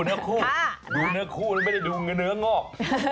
ดูเนื้อคู่แล้วไม่ได้ดูเนื้องอก